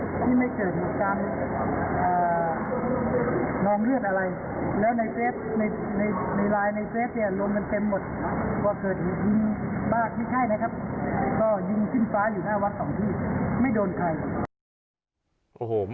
ก็ยุงจิ้มซ้ายอยู่หน้าวัดสองที่ไม่โดนใคร